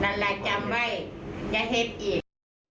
นั่นแหละจำไว้ยังเห็นอีก